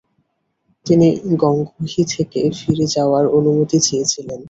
তিনি গঙ্গোহি থেকে ফিরে যাওয়ার অনুমতি চেয়েছিলেন।